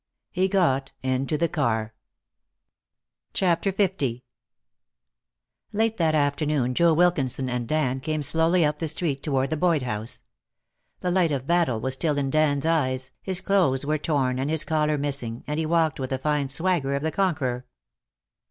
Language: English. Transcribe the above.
He got into the car. CHAPTER L Late that afternoon Joe Wilkinson and Dan came slowly up the street, toward the Boyd house. The light of battle was still in Dan's eyes, his clothes were torn and his collar missing, and he walked with the fine swagger of the conqueror.